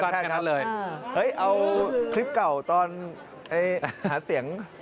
ตอนกลานเสียง